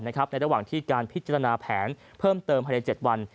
ในระหว่างที่การพิจารณาแผนเพิ่มเติมภายใน๗วัน